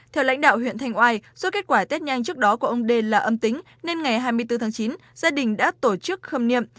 theo lãnh đạo huyện thành oai do kết quả tết nhanh trước đó của ông đê là âm tính nên ngày hai mươi bốn tháng chín gia đình đã tổ chức khâm niệm